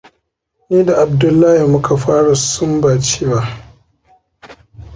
Ni da Abdullahi muka fara sumbancewa.